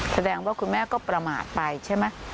แสดงว่าคุณแม่ก็ประมาทไปใช่ไหม